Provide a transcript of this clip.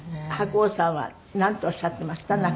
白鸚さんはなんとおっしゃってました？